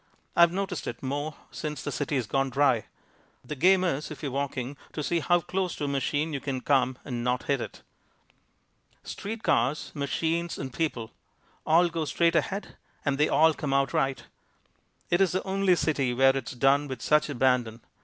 I've noticed it more since the city's gone dry. The game is, if you are walking, to see how close to a machine you can come and not hit it. Street cars, machines and people all go straight ahead and they all come out right. It's the only city where it's done with such abandon.